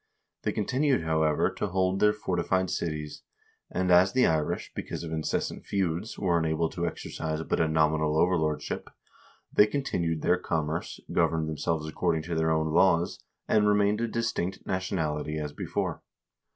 They continued, however, to hold their fortified cities, and as the Irish, because of incessant feuds, were able to exercise but a nominal overlordship, they continued their commerce, governed themselves according to their own laws, and remained a distinct nationality as before.